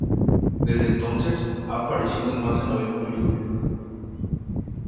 Desde entonces, ha aparecido en más de noventa filmes.